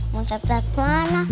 mau siap siap kemana